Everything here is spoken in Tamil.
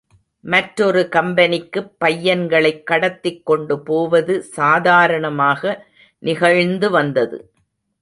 மற்றொரு கம்பெனிக்குப் பையன்களைக் கடத்திக் கொண்டுபோவது சாதாரணமாக நிகழ்ந்து வந்தது.